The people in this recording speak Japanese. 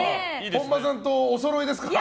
本間さんとおそろいですから。